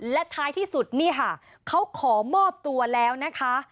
และท้ายที่สุดนี่ค่ะเขาขอมอบตัวแล้วนะคะ